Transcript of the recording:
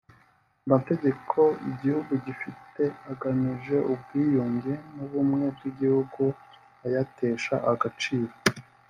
Amategeko igihugu gifite agamije ubwiyunge n’ubumwe bw’igihugu ayatesha agaciro